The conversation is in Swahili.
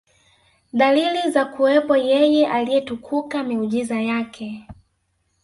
dalili za kuwepo Yeye Aliyetukuka miujiza Yake